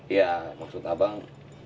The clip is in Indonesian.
ya maksud abang